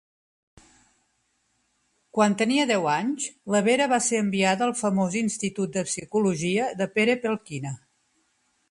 Quan tenia deu anys, la Vera va ser enviada al famós institut de psicologia de Perepelkina.